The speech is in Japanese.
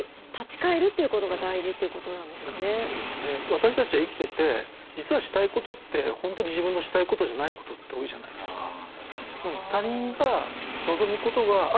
私たちは生きてて実はしたいことって本当に自分のしたいことじゃないことって多いじゃないですか。